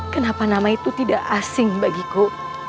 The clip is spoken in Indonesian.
kenapa nama itu tidak asing bagiku